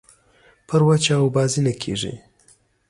پر وچه اوبازي نه کېږي.